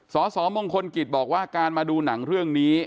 สสมงคลกิจบอกว่าการมาดูหนังเรื่องนี้